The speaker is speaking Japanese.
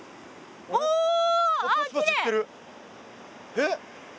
えっ？